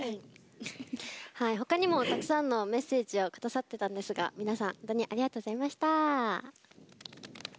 ほかにもたくさんのメッセージをくださってたのですが皆さん、本当にありがとうございました。